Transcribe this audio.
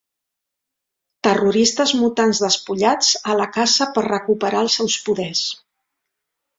Terroristes mutants despullats a la caça per recuperar els seus poders.